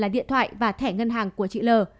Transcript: điện thoại và thẻ ngân hàng của chị lờ